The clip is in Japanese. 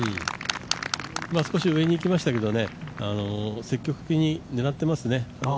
少し上にいきましたけど積極的に狙ってますね。